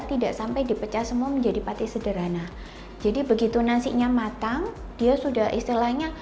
tidak sampai dipecah semua menjadi pate sederhana jadi begitu nasinya matang dia sudah istilahnya